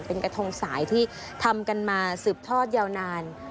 เป็นกระทงสายที่ทำกันมาสืบทอดยาวนาน